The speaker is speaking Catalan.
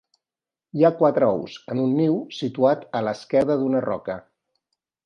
Hi ha quatre ous en un niu situat en l'esquerda d'una roca.